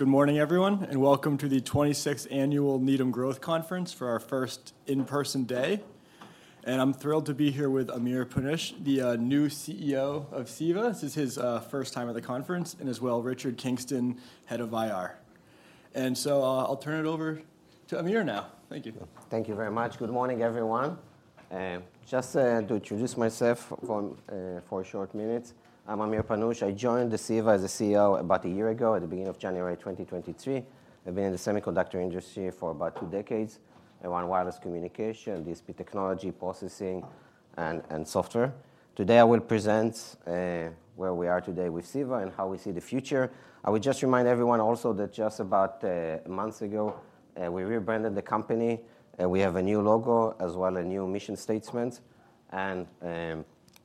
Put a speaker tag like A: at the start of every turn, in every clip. A: Good morning, everyone, and welcome to the twenty-sixth Annual Needham Growth Conference for our first in-person day. I'm thrilled to be here with Amir Panush, the new CEO of CEVA. This is his first time at the conference, and as well, Richard Kingston, Head of IR. So, I'll turn it over to Amir now. Thank you.
B: Thank you very much. Good morning, everyone. Just to introduce myself for a short minute. I'm Amir Panush. I joined CEVA as CEO about a year ago, at the beginning of January 2023. I've been in the semiconductor industry for about two decades, around wireless communication, DSP technology, processing and software. Today, I will present where we are today with CEVA and how we see the future. I would just remind everyone also that just about a month ago, we rebranded the company, and we have a new logo, as well as a new mission statement.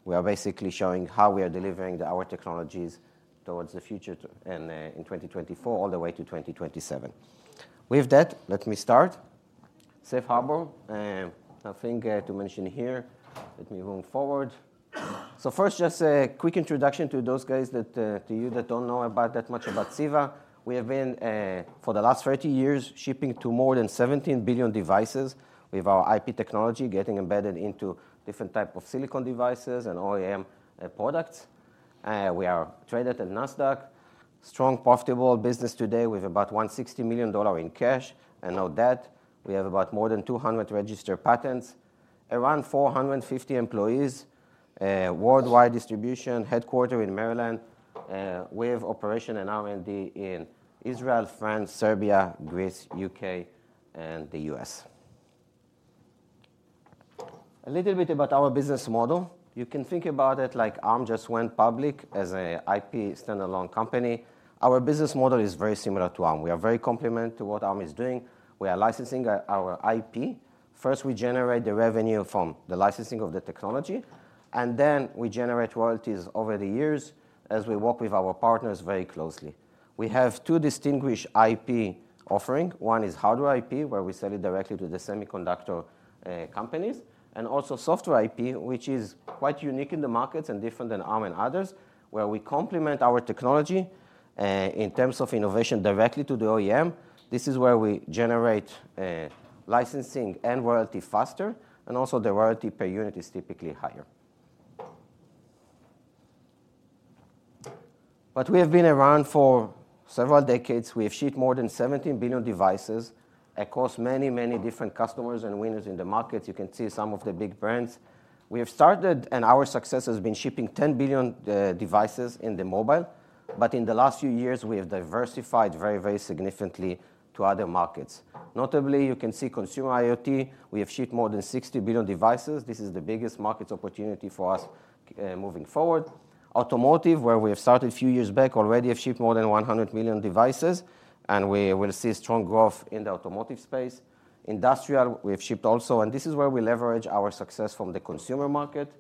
B: We are basically showing how we are delivering our technologies towards the future, and in 2024, all the way to 2027. With that, let me start. Safe harbor, nothing to mention here. Let me move forward. First, just a quick introduction to those guys that to you that don't know about that much about CEVA. We have been for the last 30 years, shipping to more than 17 billion devices with our IP technology getting embedded into different type of silicon devices and OEM products. We are traded at NASDAQ. Strong, profitable business today with about $160 million in cash and no debt. We have about more than 200 registered patents, around 450 employees, worldwide distribution, headquarters in Maryland, we have operations and R&D in Israel, France, Serbia, Greece, UK, and the US. A little bit about our business model. You can think about it like Arm just went public as a IP standalone company. Our business model is very similar to Arm. We are very complement to what Arm is doing. We are licensing our IP. First, we generate the revenue from the licensing of the technology, and then we generate royalties over the years as we work with our partners very closely. We have two distinguished IP offering. One is hardware IP, where we sell it directly to the semiconductor companies, and also software IP, which is quite unique in the markets and different than Arm and others, where we complement our technology in terms of innovation directly to the OEM. This is where we generate licensing and royalty faster, and also the royalty per unit is typically higher. But we have been around for several decades. We have shipped more than 17 billion devices across many, many different customers and winners in the market. You can see some of the big brands. We have started, and our success has been shipping 10 billion devices in the mobile, but in the last few years, we have diversified very, very significantly to other markets. Notably, you can see consumer IoT. We have shipped more than 60 billion devices. This is the biggest market opportunity for us, moving forward. Automotive, where we have started a few years back, already have shipped more than 100 million devices, and we will see strong growth in the automotive space. Industrial, we have shipped also, and this is where we leverage our success from the consumer market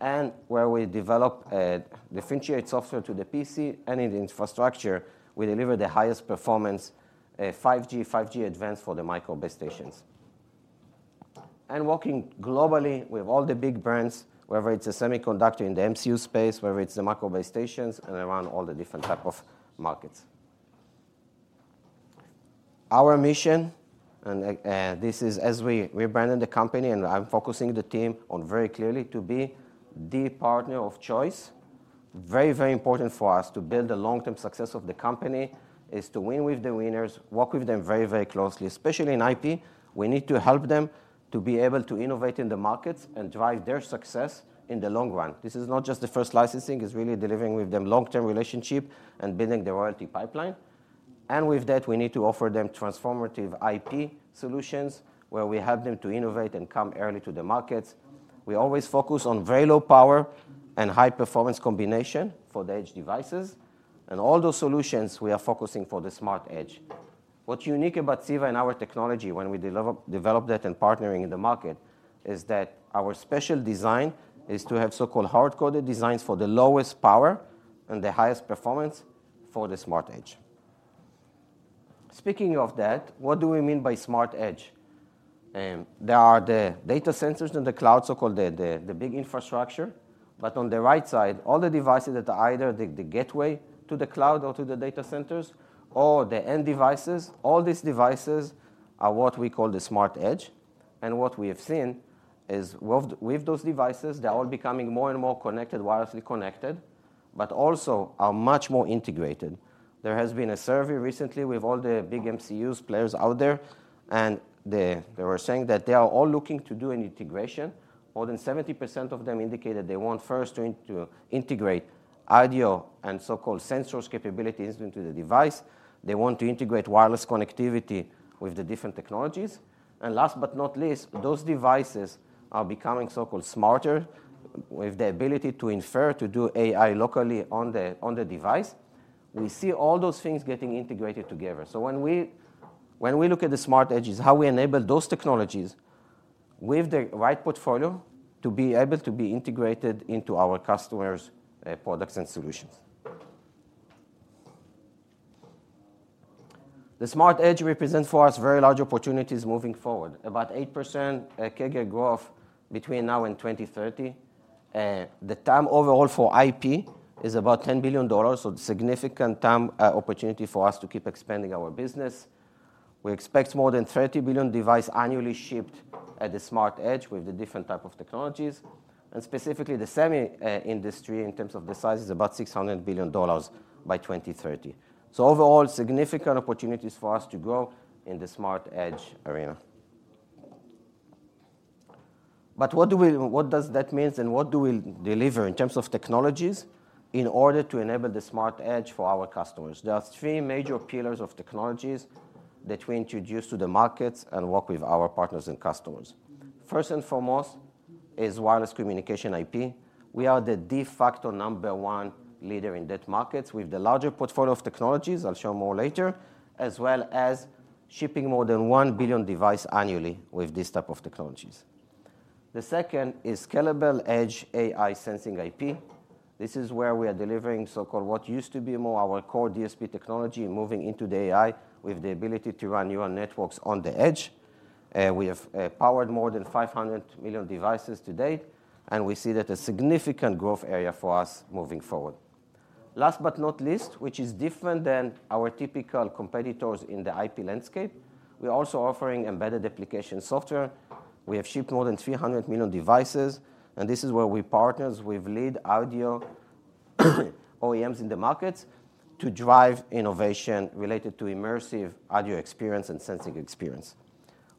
B: and where we develop, differentiate software to the PC and in the infrastructure, we deliver the highest performance, 5G, 5G Advanced for the micro base stations. Working globally with all the big brands, whether it's a semiconductor in the MCU space, whether it's the micro base stations and around all the different type of markets. Our mission, and, this is as we rebranded the company, and I'm focusing the team on very clearly to be the partner of choice. Very, very important for us to build the long-term success of the company is to win with the winners, work with them very, very closely, especially in IP. We need to help them to be able to innovate in the markets and drive their success in the long run. This is not just the first licensing, it's really delivering with them long-term relationship and building the royalty pipeline. And with that, we need to offer them transformative IP solutions, where we help them to innovate and come early to the markets. We always focus on very low power and high performance combination for the edge devices, and all those solutions we are focusing for the smart edge. What's unique about CEVA and our technology when we deliver- develop that and partnering in the market, is that our special design is to have so-called hard-coded designs for the lowest power and the highest performance for the smart edge. Speaking of that, what do we mean by smart edge? There are the data centers in the cloud, so-called the big infrastructure, but on the right side, all the devices that are either the gateway to the cloud or to the data centers or the end devices, all these devices are what we call the smart edge. What we have seen is with those devices, they are all becoming more and more connected, wirelessly connected, but also much more integrated. There has been a survey recently with all the big MCUs players out there, and they were saying that they are all looking to do an integration. More than 70% of them indicated they want first to integrate audio and so-called sensors capabilities into the device. They want to integrate wireless connectivity with the different technologies. Last but not least, those devices are becoming so-called smarter, with the ability to infer, to do AI locally on the device. We see all those things getting integrated together. So when we, when we look at the smart edges, how we enable those technologies with the right portfolio to be able to be integrated into our customers' products and solutions. The smart edge represents for us very large opportunities moving forward. About 8% CAGR growth between now and 2030, and the TAM overall for IP is about $10 billion, so significant TAM opportunity for us to keep expanding our business. We expect more than 30 billion device annually shipped at the smart edge with the different type of technologies, and specifically, the semi industry in terms of the size, is about $600 billion by 2030. So overall, significant opportunities for us to grow in the smart edge arena. But what does that mean, and what do we deliver in terms of technologies in order to enable the smart edge for our customers? There are three major pillars of technologies that we introduce to the markets and work with our partners and customers. First and foremost is wireless communication IP. We are the de facto number one leader in that market, with the larger portfolio of technologies, I'll show more later, as well as shipping more than 1 billion device annually with these type of technologies. The second is scalable Edge AI sensing IP. This is where we are delivering so-called, what used to be more our core DSP technology, moving into the AI, with the ability to run neural networks on the edge. We have powered more than 500 million devices to date, and we see that a significant growth area for us moving forward. Last but not least, which is different than our typical competitors in the IP landscape, we are also offering embedded application software. We have shipped more than 300 million devices, and this is where we partners with lead audio OEMs in the markets to drive innovation related to immersive audio experience and sensing experience.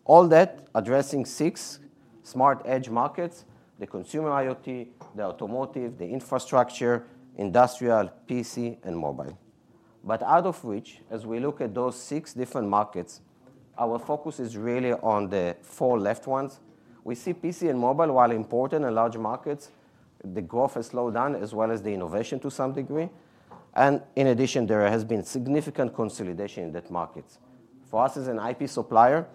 B: All that addressing six smart edge markets: the consumer IoT, the automotive, the infrastructure, industrial, PC, and mobile. But out of which, as we look at those 6 different markets, our focus is really on the four left ones. We see PC and mobile, while important and large markets, the growth has slowed down, as well as the innovation to some degree. In addition, there has been significant consolidation in that market. For us, as an IP supplier,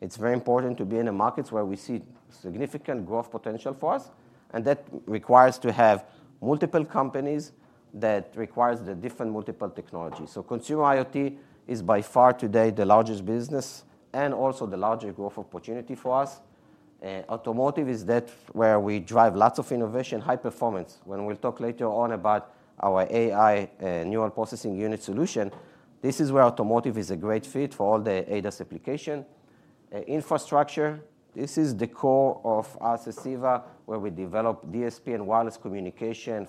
B: it's very important to be in a market where we see significant growth potential for us, and that requires to have multiple companies, that requires the different multiple technologies. So consumer IoT is by far today, the largest business and also the largest growth opportunity for us. Automotive is that where we drive lots of innovation, high performance. When we'll talk later on about our AI, neural processing unit solution, this is where automotive is a great fit for all the ADAS application. Infrastructure, this is the core of us as CEVA, where we develop DSP and wireless communication,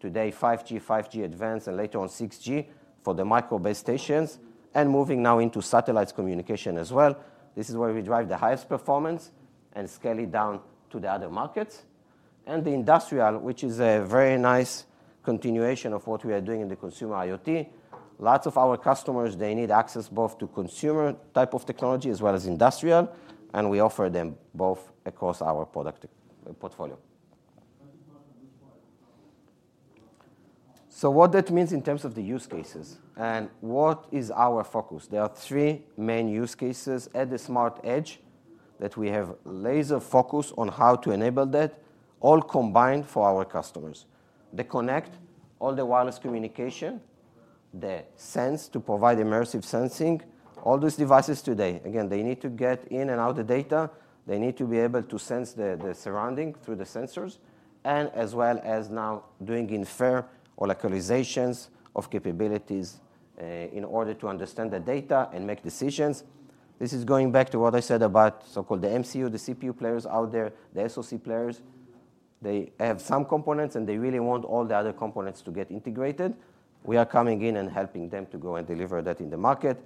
B: today, 5G, 5G Advanced, and later on 6G, for the micro base stations, and moving now into satellite communication as well. This is where we drive the highest performance and scale it down to the other markets. The industrial, which is a very nice continuation of what we are doing in the consumer IoT. Lots of our customers, they need access both to consumer type of technology as well as industrial, and we offer them both across our product portfolio. So what that means in terms of the use cases and what is our focus? There are three main use cases at the smart edge, that we have laser focus on how to enable that, all combined for our customers. The connect, all the wireless communication. The sense, to provide immersive sensing. All these devices today, again, they need to get in and out the data. They need to be able to sense the surrounding through the sensors, and as well as now doing infer or localizations of capabilities, in order to understand the data and make decisions. This is going back to what I said about so-called the MCU, the CPU players out there, the SoC players. They have some components, and they really want all the other components to get integrated. We are coming in and helping them to go and deliver that in the market.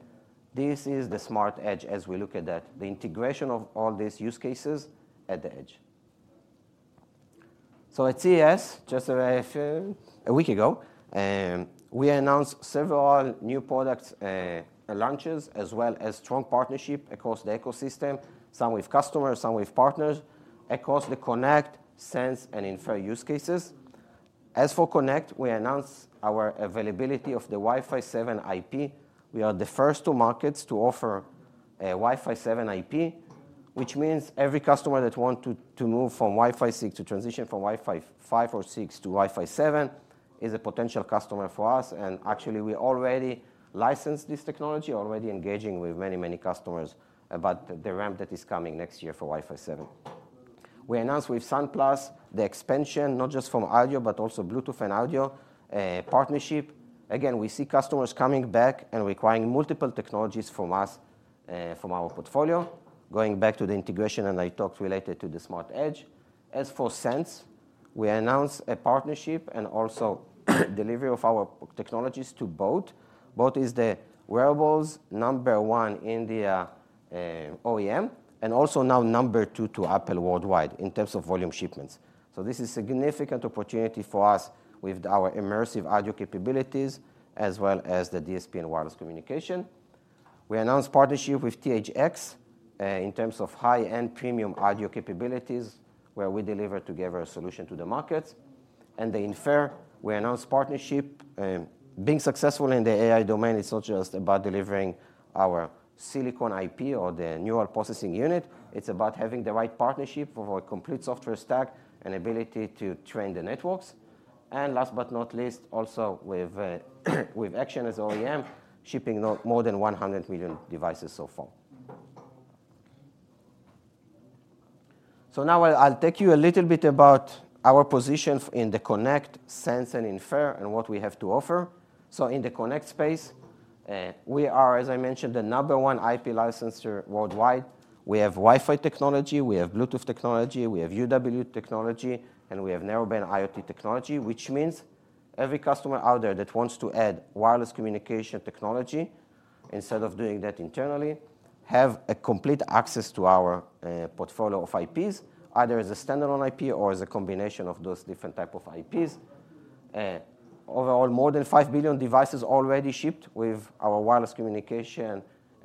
B: This is the smart edge as we look at that, the integration of all these use cases at the edge. So at CES, just a week ago, we announced several new products, launches, as well as strong partnership across the ecosystem. Some with customers, some with partners, across the connect, sense, and infer use cases. As for Connect, we announced our availability of the Wi-Fi 7 IP. We are the first to markets to offer a Wi-Fi 7 IP, which means every customer that want to, to move from Wi-Fi 6, to transition from Wi-Fi 5 or Wi-Fi 6-Wi-Fi 7, is a potential customer for us. And actually, we already licensed this technology, already engaging with many, many customers about the ramp that is coming next year for Wi-Fi 7. We announced with Sunplus, the expansion, not just from audio, but also Bluetooth and audio, partnership. Again, we see customers coming back and requiring multiple technologies from us, from our portfolio. Going back to the integration, and I talked related to the smart edge. As for Sense, we announced a partnership and also delivery of our technologies to boAt. boAt is the wearables number one in the OEM, and also now number two to Apple worldwide in terms of volume shipments. So this is significant opportunity for us with our immersive audio capabilities, as well as the DSP and wireless communication. We announced partnership with THX in terms of high-end premium audio capabilities, where we deliver together a solution to the markets. And the infer, we announced partnership. Being successful in the AI domain is not just about delivering our silicon IP or the neural processing unit, it's about having the right partnership for a complete software stack and ability to train the networks. And last but not least, also with Actions as OEM, shipping more than 100 million devices so far. So now I, I'll take you a little bit about our position in the connect, sense, and infer, and what we have to offer. So in the connect space, we are, as I mentioned, the number one IP licensor worldwide. We have Wi-Fi technology, we have Bluetooth technology, we have UWB technology, and we have Narrowband IoT technology, which means every customer out there that wants to add wireless communication technology, instead of doing that internally, have a complete access to our, portfolio of IPs, either as a standalone IP or as a combination of those different type of IPs. Overall, more than 5 billion devices already shipped with our wireless communication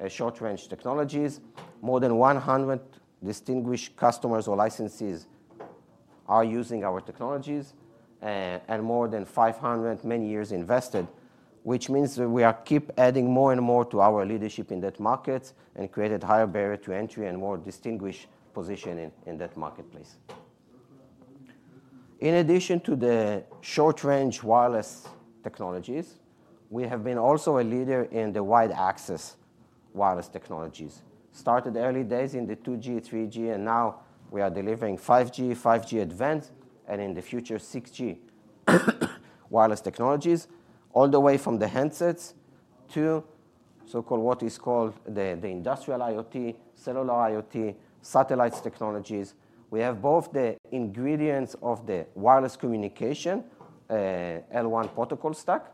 B: short-range technologies. More than 100 distinguished customers or licensees are using our technologies, and more than 500 man-years invested, which means that we are keep adding more and more to our leadership in that market and created higher barrier to entry and more distinguished positioning in that marketplace. In addition to the short-range wireless technologies, we have been also a leader in the wide-area wireless technologies. Started early days in the 2G, 3G, and now we are delivering 5G, 5G Advanced, and in the future, 6G wireless technologies, all the way from the handsets to so-called, what is called the industrial IoT, cellular IoT, satellite technologies. We have both the ingredients of the wireless communication, L1 protocol stack,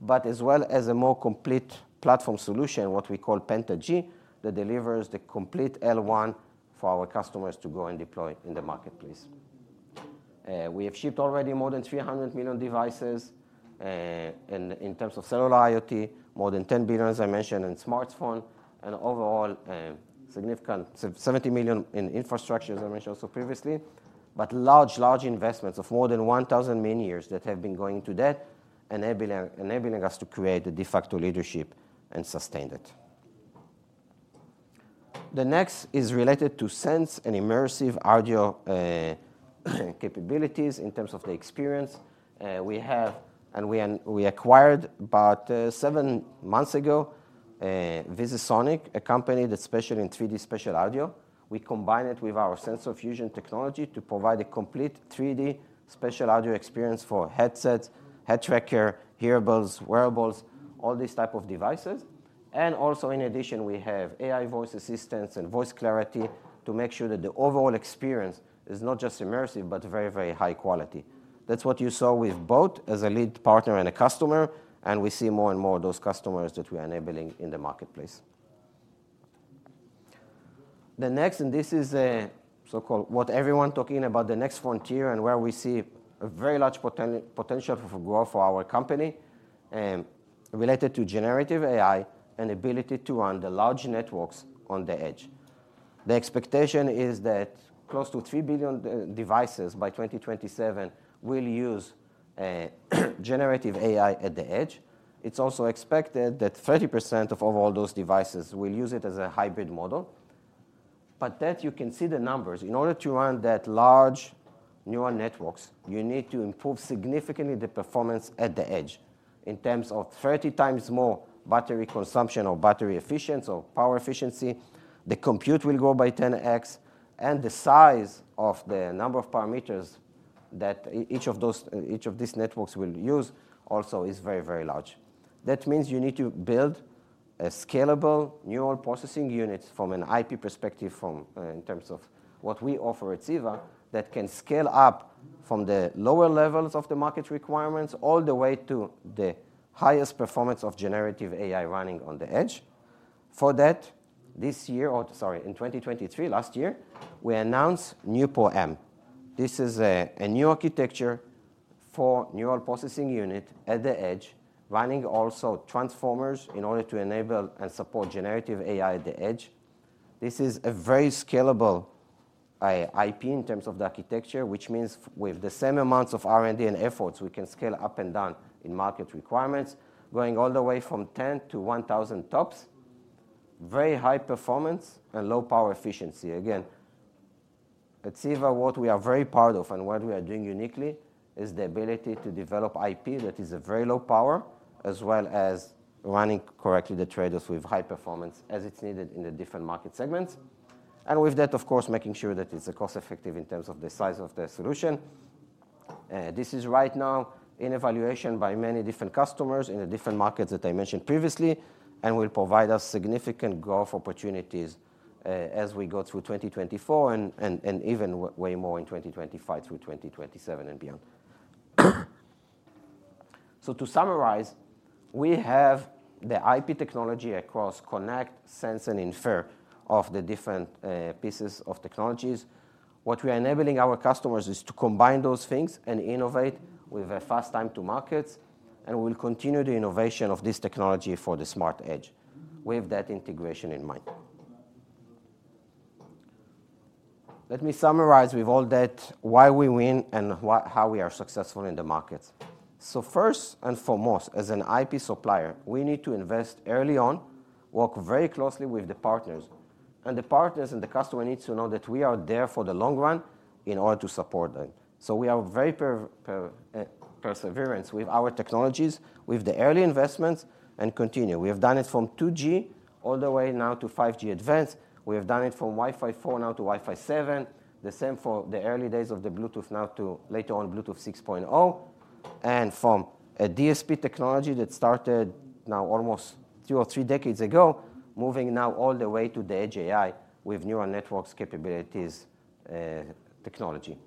B: but as well as a more complete platform solution, what we call PentaG, that delivers the complete L1 for our customers to go and deploy in the marketplace. We have shipped already more than 300 million devices, and in terms of cellular IoT, more than 10 billion, as I mentioned, in smartphone, and overall, significant, seventy million in infrastructure, as I mentioned also previously, but large, large investments of more than 1,000 man-years that have been going to that, enabling us to create a de facto leadership and sustain it. The next is related to sense and immersive audio, capabilities in terms of the experience. We have, and we acquired about 7 months ago, VisiSonics, a company that specialize in 3D spatial audio. We combine it with our sensor fusion technology to provide a complete 3D spatial audio experience for headsets, head tracker, hearables, wearables, all these type of devices. And also, in addition, we have AI voice assistance and voice clarity to make sure that the overall experience is not just immersive, but very, very high quality. That's what you saw with boAt as a lead partner and a customer, and we see more and more of those customers that we are enabling in the marketplace. The next, and this is, so-called, what everyone talking about, the next frontier, and where we see a very large potential for growth for our company, related to generative AI and ability to run the large networks on the edge. The expectation is that close to 3 billion devices by 2027 will use generative AI at the edge. It's also expected that 30% of overall those devices will use it as a hybrid model. But that you can see the numbers. In order to run that large neural networks, you need to improve significantly the performance at the edge in terms of 30x more battery consumption or battery efficiency or power efficiency. The compute will go by 10x, and the size of the number of parameters that each of those, each of these networks will use also is very, very large. That means you need to build a scalable neural processing units from an IP perspective, from, in terms of what we offer at CEVA, that can scale up from the lower levels of the market requirements all the way to the highest performance of generative AI running on the edge. For that, this year, or sorry, in 2023, last year, we announced new NeuPro-M. This is a new architecture for neural processing unit at the edge, running also transformers in order to enable and support generative AI at the edge. This is a very scalable IP in terms of the architecture, which means with the same amounts of R&D and efforts, we can scale up and down in market requirements, going all the way from 10-1,000 TOPS. Very high performance and low power efficiency. Again, at CEVA, what we are very proud of and what we are doing uniquely, is the ability to develop IP that is a very low power, as well as running correctly the transformers with high performance as it's needed in the different market segments. And with that, of course, making sure that it's cost-effective in terms of the size of the solution. This is right now in evaluation by many different customers in the different markets that I mentioned previously, and will provide us significant growth opportunities, as we go through 2024 and even way more in 2025 through 2027 and beyond. So to summarize, we have the IP technology across connect, sense, and infer of the different pieces of technologies. What we are enabling our customers is to combine those things and innovate with a fast time to markets, and we'll continue the innovation of this technology for the smart edge with that integration in mind. Let me summarize with all that, why we win and how we are successful in the markets. So first and foremost, as an IP supplier, we need to invest early on, work very closely with the partners, and the partners and the customer needs to know that we are there for the long run in order to support them. So we are very perseverance with our technologies, with the early investments, and continue. We have done it from 2G all the way now to 5G Advanced. We have done it from Wi-Fi 4 now to Wi-Fi 7. The same for the early days of the Bluetooth, now to later on, Bluetooth 6.0, and from a DSP technology that started now almost two or three decades ago, moving now all the way to the Edge AI with neural networks capabilities, technology.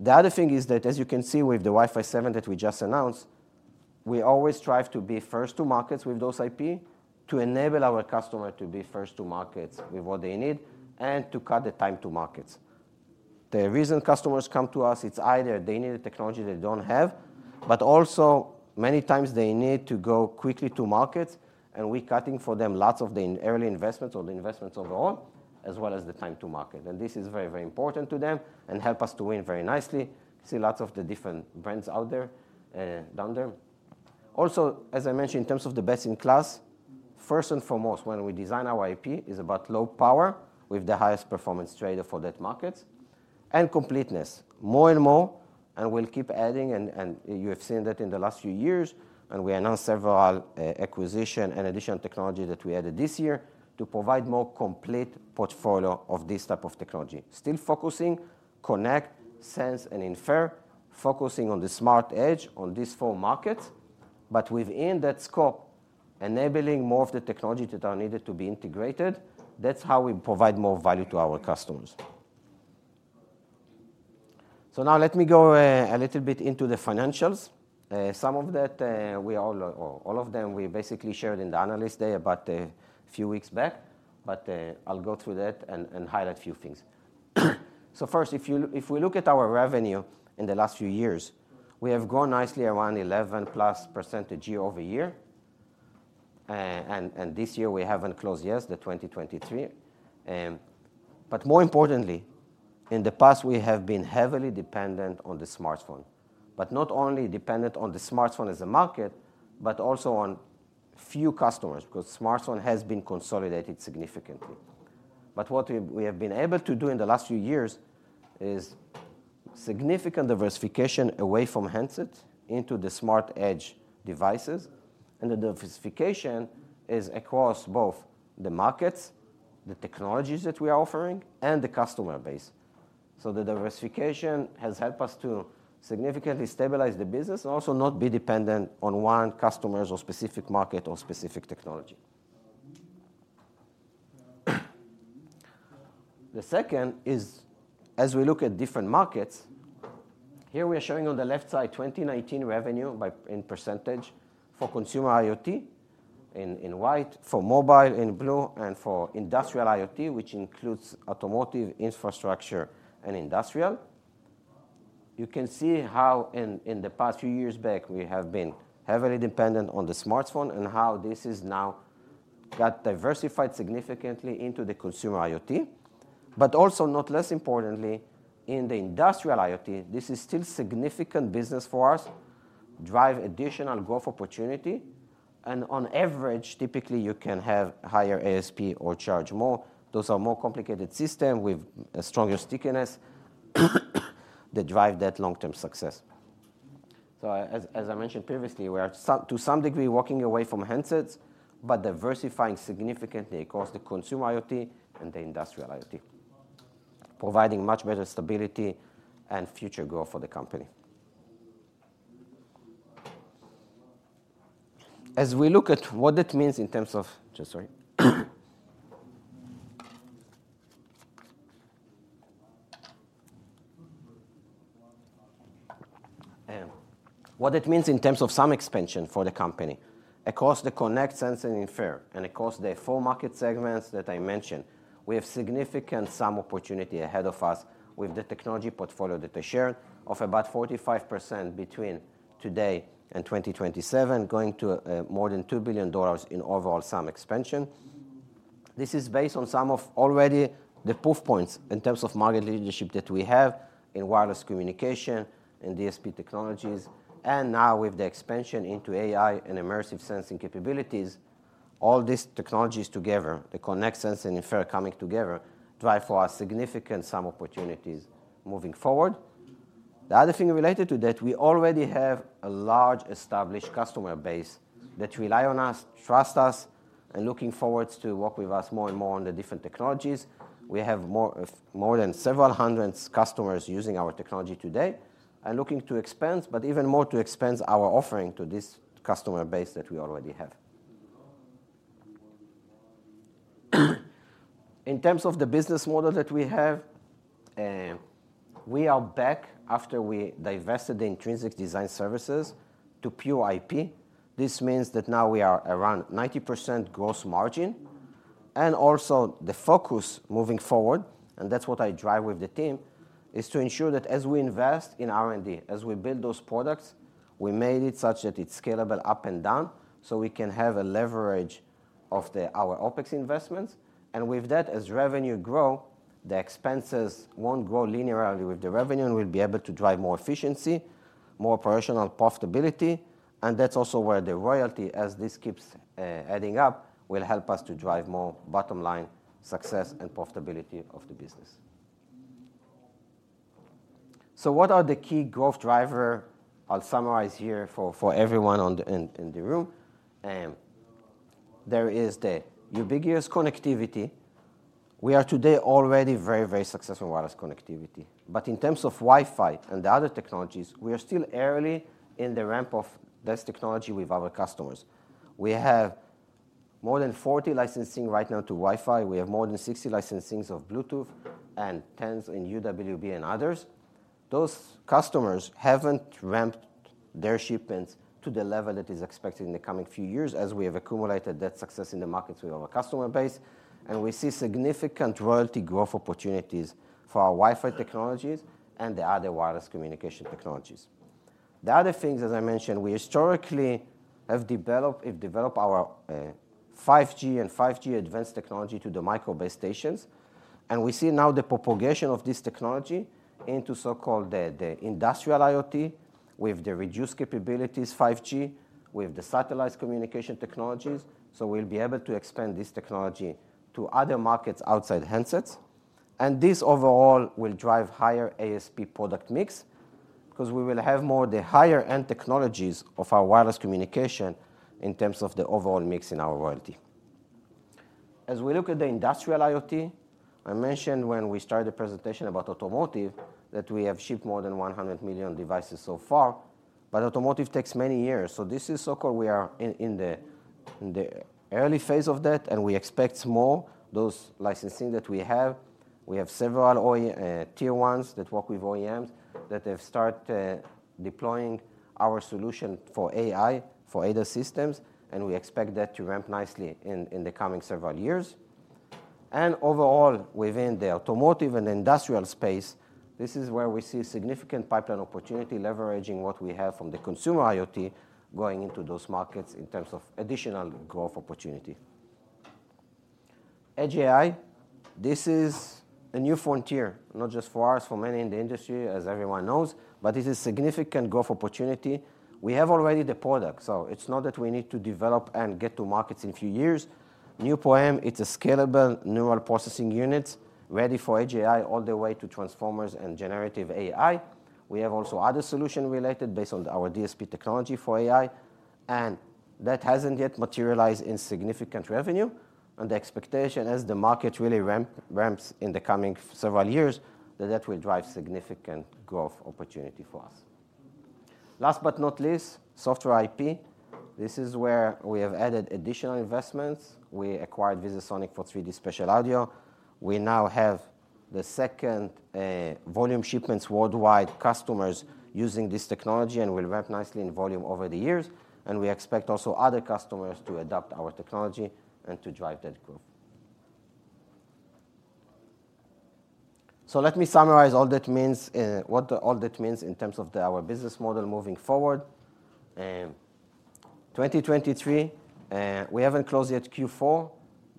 B: The other thing is that, as you can see with the Wi-Fi 7 that we just announced, we always strive to be first to markets with those IP, to enable our customer to be first to markets with what they need, and to cut the time to markets. The reason customers come to us, it's either they need a technology they don't have, but also many times they need to go quickly to markets, and we cutting for them lots of the in- early investments or the investments overall, as well as the time to market. And this is very, very important to them and help us to win very nicely. See lots of the different brands out there, down there. Also, as I mentioned, in terms of the best-in-class, first and foremost, when we design our IP, is about low power with the highest performance trader for that market, and completeness. More and more, we'll keep adding, and you have seen that in the last few years, and we announced several acquisition and additional technology that we added this year to provide more complete portfolio of this type of technology. Still focusing, connect, sense, and infer. Focusing on the smart edge on these four markets, but within that scope, enabling more of the technology that are needed to be integrated. That's how we provide more value to our customers. So now let me go a little bit into the financials. Some of that, or all of them, we basically shared in the analyst day about a few weeks back, but I'll go through that and highlight a few things. So first, if we look at our revenue in the last few years, we have grown nicely, around 11+% year-over-year. And this year, we haven't closed yet, the 2023. But more importantly, in the past, we have been heavily dependent on the smartphone. But not only dependent on the smartphone as a market, but also on few customers, because smartphone has been consolidated significantly. But what we have been able to do in the last few years is significant diversification away from handset into the smart edge devices, and the diversification is across both the markets, the technologies that we are offering, and the customer base. So the diversification has helped us to significantly stabilize the business and also not be dependent on one customer or specific market or specific technology. The second is, as we look at different markets, here we are showing on the left side 2019 revenue by... in percentage for consumer IoT in white, for mobile in blue, and for industrial IoT, which includes automotive, infrastructure, and industrial. You can see how in the past few years back, we have been heavily dependent on the smartphone and how this is now got diversified significantly into the consumer IoT. But also, not less importantly, in the industrial IoT, this is still significant business for us, drive additional growth opportunity, and on average, typically, you can have higher ASP or charge more. Those are more complicated system with a stronger stickiness, that drive that long-term success. So as, as I mentioned previously, we are some, to some degree, walking away from handsets, but diversifying significantly across the consumer IoT and the industrial IoT, providing much better stability and future growth for the company. As we look at what that means in terms of... Just sorry. What it means in terms of some expansion for the company. Across the connect, sense, and infer, and across the four market segments that I mentioned, we have significant opportunity ahead of us with the technology portfolio that I shared, of about 45% between today and 2027, going to more than $2 billion in overall expansion. This is based on some of already the proof points in terms of market leadership that we have in wireless communication, in DSP technologies, and now with the expansion into AI and immersive sensing capabilities. All these technologies together, the connect, sense, and infer coming together, drive for our significant opportunities moving forward. The other thing related to that, we already have a large established customer base that rely on us, trust us, and looking forward to work with us more and more on the different technologies. We have more, more than several hundred customers using our technology today, and looking to expand, but even more to expand our offering to this customer base that we already have. In terms of the business model that we have, we are back after we divested the Intrinsix design services to pure IP. This means that now we are around 90% gross margin, and also the focus moving forward, and that's what I drive with the team, is to ensure that as we invest in R&D, as we build those products, we made it such that it's scalable up and down, so we can have a leverage of the our OpEx investments. And with that, as revenue grow, the expenses won't grow linearly with the revenue, and we'll be able to drive more efficiency-... more operational profitability, and that's also where the royalty, as this keeps adding up, will help us to drive more bottom line success and profitability of the business. So what are the key growth driver? I'll summarize here for everyone in the room. There is the ubiquitous connectivity. We are today already very, very successful in wireless connectivity. But in terms of Wi-Fi and the other technologies, we are still early in the ramp of this technology with our customers. We have more than 40 licensings right now to Wi-Fi. We have more than 60 licensings of Bluetooth, and tens in UWB and others. Those customers haven't ramped their shipments to the level that is expected in the coming few years, as we have accumulated that success in the markets with our customer base, and we see significant royalty growth opportunities for our Wi-Fi technologies and the other wireless communication technologies. The other things, as I mentioned, we historically have developed our 5G and 5G Advanced technology to the micro base stations, and we see now the propagation of this technology into so-called the industrial IoT, with the reduced capabilities 5G, with the satellite communication technologies. So we'll be able to expand this technology to other markets outside handsets, and this overall will drive higher ASP product mix, 'cause we will have more the higher-end technologies of our wireless communication in terms of the overall mix in our royalty. As we look at the industrial IoT, I mentioned when we started the presentation about automotive, that we have shipped more than 100 million devices so far, but automotive takes many years. So this is so-called we are in the early phase of that, and we expect more those licensing that we have. We have several tier ones that work with OEMs, that have start deploying our solution for AI, for ADAS systems, and we expect that to ramp nicely in the coming several years. And overall, within the automotive and industrial space, this is where we see significant pipeline opportunity, leveraging what we have from the consumer IoT going into those markets in terms of additional growth opportunity. AGI, this is a new frontier, not just for us, for many in the industry, as everyone knows, but it is significant growth opportunity. We have already the product, so it's not that we need to develop and get to markets in a few years. NeuPro-M, it's a scalable neural processing unit, ready for GenAI all the way to transformers and generative AI. We have also other solution related, based on our DSP technology for AI, and that hasn't yet materialized in significant revenue, and the expectation as the market really ramps in the coming several years, that that will drive significant growth opportunity for us. Last but not least, software IP. This is where we have added additional investments. We acquired VisiSonics for 3D spatial audio. We now have the second volume shipments worldwide, customers using this technology, and will ramp nicely in volume over the years, and we expect also other customers to adopt our technology and to drive that growth. So let me summarize all that means, what all that means in terms of our business model moving forward. 2023, we haven't closed yet Q4,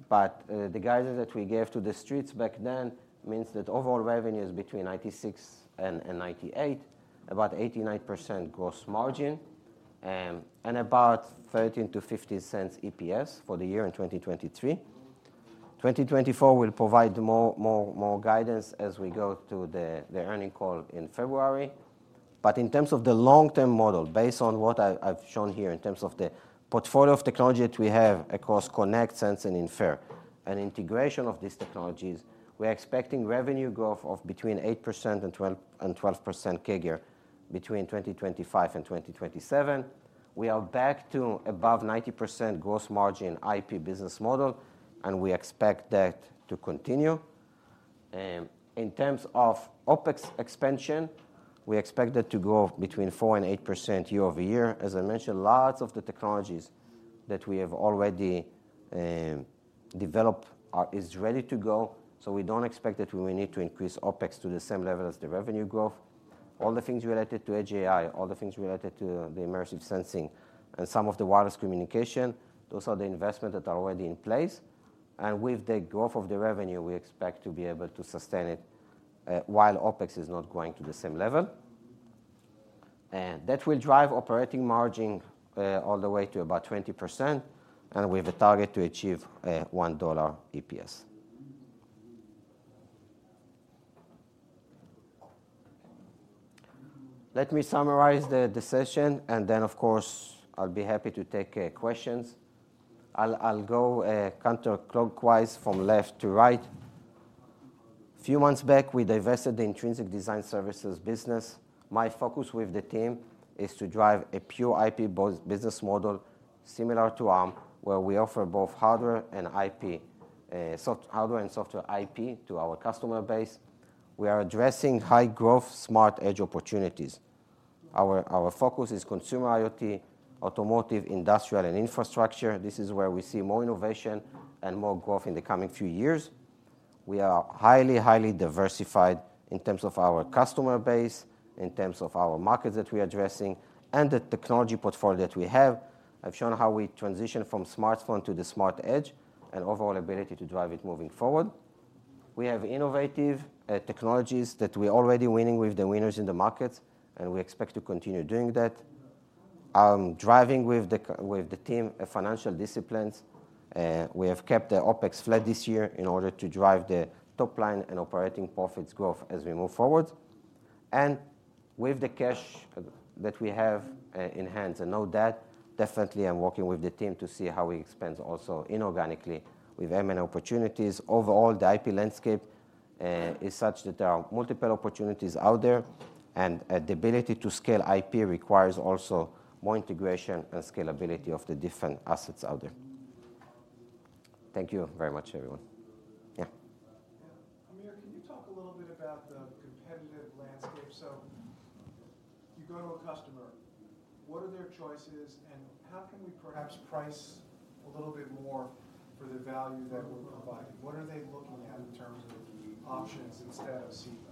B: but the guidance that we gave to the streets back then means that overall revenue is between $96 million and $98 million, about 89% gross margin, and about $0.13-$0.15 EPS for the year in 2023. 2024 will provide more guidance as we go to the earnings call in February. But in terms of the long-term model, based on what I've shown here, in terms of the portfolio of technology that we have across connect, sense, and infer, and integration of these technologies, we are expecting revenue growth of between 8% and 12, and 12% CAGR between 2025 and 2027. We are back to above 90% gross margin IP business model, and we expect that to continue. In terms of OpEx expansion, we expect that to grow between 4% and 8% year-over-year. As I mentioned, lots of the technologies that we have already developed are-- is ready to go, so we don't expect that we need to increase OpEx to the same level as the revenue growth. All the things related to GenAI, all the things related to the immersive sensing and some of the wireless communication, those are the investments that are already in place. With the growth of the revenue, we expect to be able to sustain it while OpEx is not growing to the same level. And that will drive operating margin all the way to about 20%, and we have a target to achieve $1 EPS. Let me summarize the session, and then, of course, I'll be happy to take questions. I'll go counterclockwise from left to right. A few months back, we divested the Intrinsix design services business. My focus with the team is to drive a pure IP business model similar to Arm, where we offer both hardware and software IP to our customer base. We are addressing high growth, smart edge opportunities. Our focus is consumer IoT, automotive, industrial, and infrastructure. This is where we see more innovation and more growth in the coming few years. We are highly diversified in terms of our customer base, in terms of our markets that we are addressing, and the technology portfolio that we have. I've shown how we transition from smartphone to the smart edge and overall ability to drive it moving forward. We have innovative technologies that we're already winning with the winners in the market, and we expect to continue doing that. Driving with the team a financial disciplines, we have kept the OpEx flat this year in order to drive the top line and operating profits growth as we move forward. With the cash that we have in hand and no debt, definitely I'm working with the team to see how we expand also inorganically with M and A opportunities. Overall, the IP landscape is such that there are multiple opportunities out there, and the ability to scale IP requires also more integration and scalability of the different assets out there. Thank you very much, everyone. Yeah.
C: Yeah. Amir, can you talk a little bit about the competitive landscape? So you go to a customer, what are their choices, and how can we perhaps price a little bit more for the value that we're providing? What are they looking at in terms of options instead of CEVA?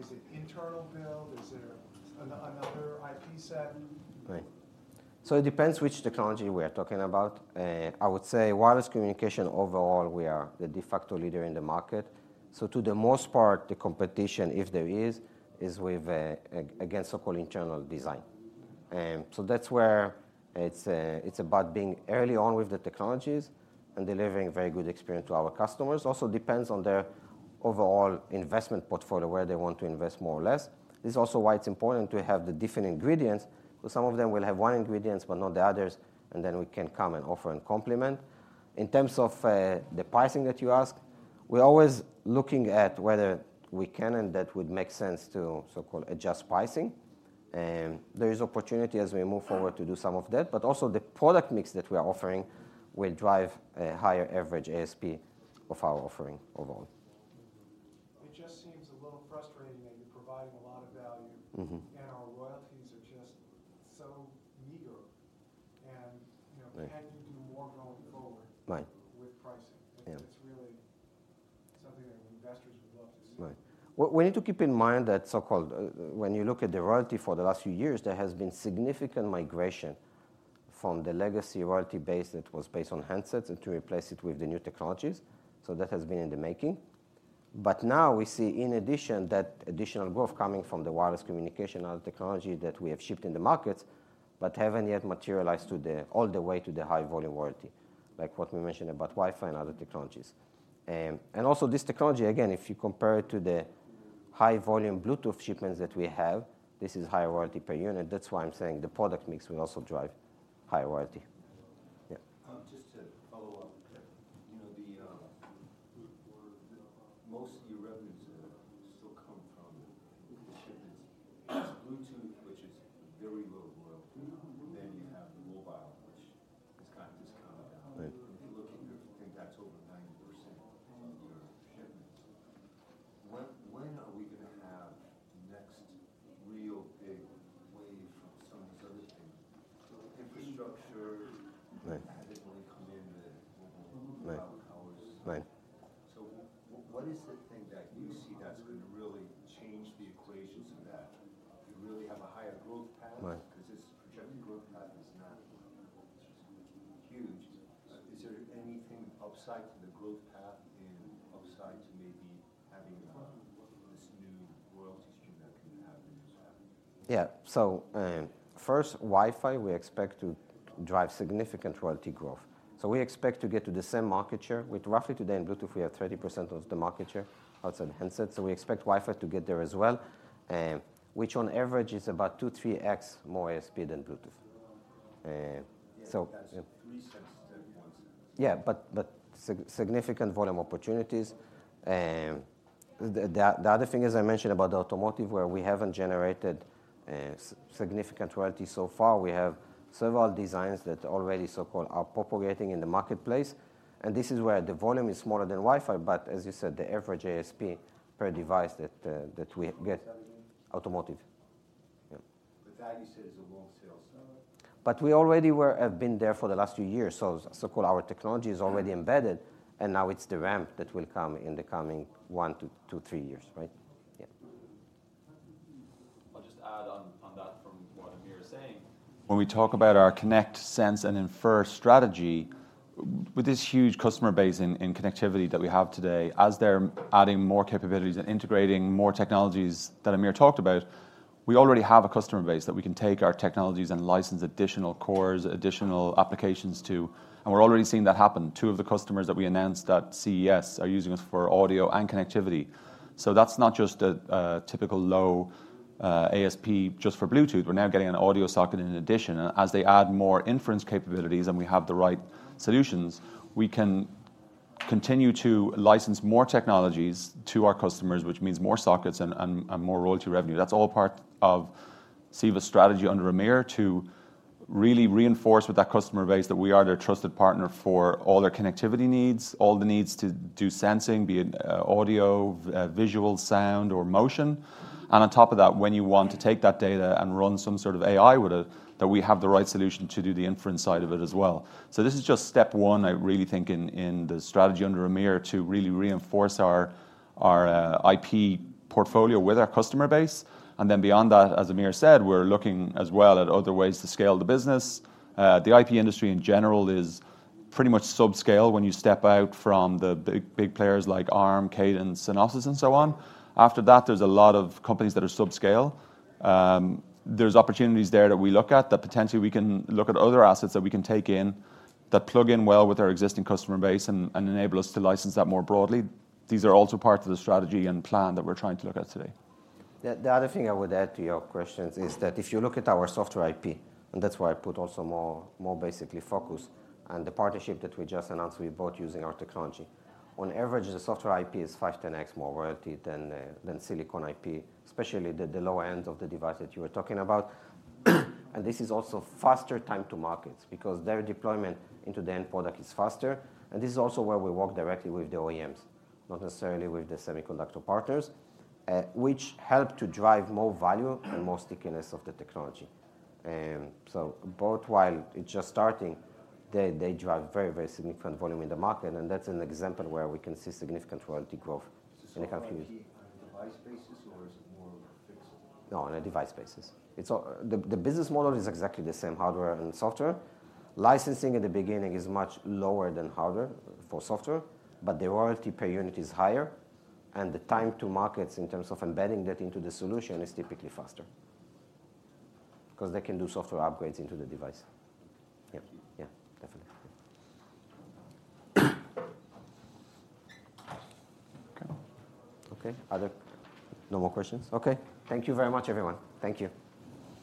C: Is it internal build? Is there another IP set?
B: Right. So it depends which technology we are talking about. I would say wireless communication, overall, we are the de facto leader in the market. So to the most part, the competition, if there is, is with against so-called internal design. So that's where it's about being early on with the technologies and delivering very good experience to our customers. Also depends on their overall investment portfolio, where they want to invest more or less. This is also why it's important to have the different ingredients, so some of them will have one ingredient but not the others, and then we can come and offer and complement. In terms of the pricing that you asked, we're always looking at whether we can, and that would make sense to so-called adjust pricing. There is opportunity as we move forward to do some of that, but also the product mix that we are offering will drive a higher average ASP of our offering overall.
C: It just seems a little frustrating that you're providing a lot of value-
B: Mm-hmm.
C: and our royalties are just so meager, and-
B: Right.
C: you know, can you do more going forward?
B: Right.
C: - with pricing?
B: Yeah.
C: It's really something that investors would love to see.
B: Right. We need to keep in mind that so-called. When you look at the royalty for the last few years, there has been significant migration from the legacy royalty base that was based on handsets, and to replace it with the new technologies. So that has been in the making. But now we see, in addition, that additional growth coming from the wireless communication and technology that we have shipped in the markets, but haven't yet materialized all the way to the high volume royalty, like what we mentioned about Wi-Fi and other technologies. And also this technology, again, if you compare it to the high volume Bluetooth shipments that we have, this is higher royalty per unit. That's why I'm saying the product mix will also drive Yeah. So, first, Wi-Fi, we expect to drive significant royalty growth. So we expect to get to the same market share. With roughly today in Bluetooth, we have 30% of the market share outside handsets, so we expect Wi-Fi to get there as well, which on average is about 2x-3x more ASP than Bluetooth. So-
C: $0.03-$0.01.
B: Yeah, but significant volume opportunities. The other thing, as I mentioned about the automotive, where we haven't generated significant royalty so far, we have several designs that already so-called are populating in the marketplace, and this is where the volume is smaller than Wi-Fi, but as you said, the average ASP per device that that we get-
C: What was that again?
B: Automotive. Yeah.
C: The value set is a long tail seller.
B: But we already have been there for the last few years, so so-called our technology is already embedded, and now it's the ramp that will come in the coming one to two, three years, right? Yeah.
D: I'll just add on that from what Amir is saying. When we talk about our connect, sense, and infer strategy, with this huge customer base in connectivity that we have today, as they're adding more capabilities and integrating more technologies that Amir talked about, we already have a customer base that we can take our technologies and license additional cores, additional applications to, and we're already seeing that happen. Two of the customers that we announced at CES are using us for audio and connectivity. So that's not just a typical low ASP just for Bluetooth, we're now getting an audio socket in addition. As they add more inference capabilities and we have the right solutions, we can continue to license more technologies to our customers, which means more sockets and more royalty revenue. That's all part of CEVA's strategy under Amir to really reinforce with that customer base that we are their trusted partner for all their connectivity needs, all the needs to do sensing, be it audio, visual, sound, or motion. And on top of that, when you want to take that data and run some sort of AI with it, that we have the right solution to do the inference side of it as well. So this is just step one, I really think, in the strategy under Amir, to really reinforce our IP portfolio with our customer base. And then beyond that, as Amir said, we're looking as well at other ways to scale the business. The IP industry in general is pretty much subscale when you step out from the big, big players like Arm, Cadence, Synopsys, and so on. After that, there's a lot of companies that are subscale. There's opportunities there that we look at, that potentially we can look at other assets that we can take in, that plug in well with our existing customer base and, and enable us to license that more broadly. These are also part of the strategy and plan that we're trying to look at today.
B: Yeah. The other thing I would add to your questions is that if you look at our software IP, and that's why I put also more basically focus on the partnership that we just announced with boAt using our technology. On average, the software IP is 5x-10x more royalty than the silicon IP, especially the lower end of the device that you were talking about. And this is also faster time to markets, because their deployment into the end product is faster, and this is also where we work directly with the OEMs, not necessarily with the semiconductor partners, which help to drive more value and more stickiness of the technology. So boAt while it's just starting, they drive very, very significant volume in the market, and that's an example where we can see significant royalty growth. And you can-
C: Is the software IP on a device basis, or is it more fixed?
B: No, on a device basis. It's all... The business model is exactly the same, hardware and software. Licensing at the beginning is much lower than hardware for software, but the royalty per unit is higher, and the time to markets in terms of embedding that into the solution is typically faster. 'Cause they can do software upgrades into the device. Yeah. Yeah, definitely. Okay. No more questions? Okay. Thank you very much, everyone. Thank you.